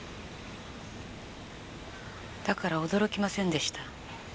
だから驚きませんでした。